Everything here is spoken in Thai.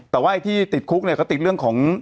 แต่ว่าไอ้ที่ติดคุกเนี่ยเขาติดเรื่องของ